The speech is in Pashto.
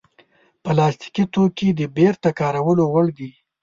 پلاستيکي توکي د بېرته کارولو وړ دي.